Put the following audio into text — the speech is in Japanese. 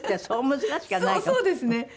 そうですね。